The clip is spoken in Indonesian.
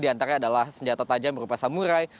diantara adalah senjata tajam berupa samurai